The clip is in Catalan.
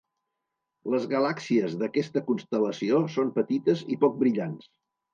Les galàxies d'aquesta constel·lació són petites i poc brillants.